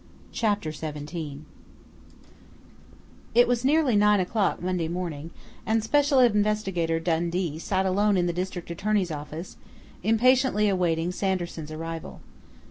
CHAPTER SEVENTEEN It was nearly nine o'clock Monday morning, and Special Investigator Dundee sat alone in the district attorney's office, impatiently awaiting Sanderson's arrival.